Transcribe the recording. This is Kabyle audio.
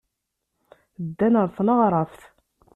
Ddan ɣer tneɣraft.